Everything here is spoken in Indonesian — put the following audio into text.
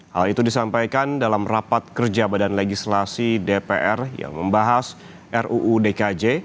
hal itu disampaikan dalam rapat kerja badan legislasi dpr yang membahas ruu dkj